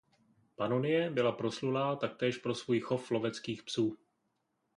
Panonie byla proslulá taktéž pro svůj chov loveckých psů.